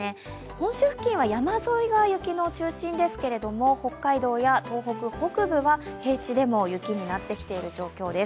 本州付近は山沿いが雪の中心ですけれども、北海道や東北北部は平地でも雪になってきている状況です。